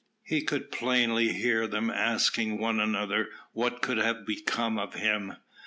He could plainly hear them asking one another what could have become of him.